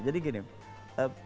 jadi gue nari tuh pertanyaannya